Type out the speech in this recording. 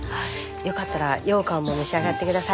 よかったらようかんも召し上がって下さい。